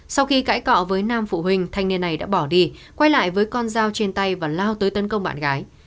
sau khi cãi cọ với nam phụ huynh thanh niên này đã bỏ đi quay lại với con dao trên tay và lao tới tấn công bạn gái